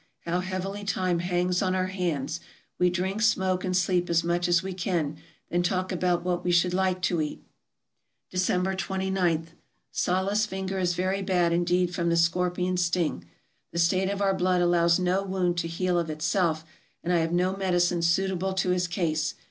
How heavily time hangs on our hands ! We drink, smoke, and sleep as much as we can, then talk about what we should like to eat. December 29. — Sahleh's finger is very bad indeed from the scorpion sting. The state of our blood allows no wound to heal of itself, and I have no medicine suitable to his case.